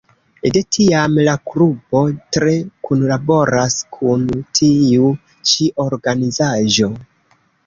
De tiam la klubo tre kunlaboras kun tiu ĉi organizaĵo.